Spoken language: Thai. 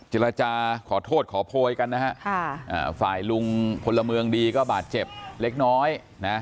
เจรจาขอโทษขอโพยกันนะฮะฝ่ายลุงพลเมืองดีก็บาดเจ็บเล็กน้อยนะ